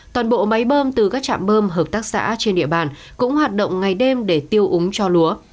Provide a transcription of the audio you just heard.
toàn bộ máy bơm từ các trạm bơm hợp tác xã trên địa bàn cũng hoạt động ngày đêm để tiêu úng cho lúa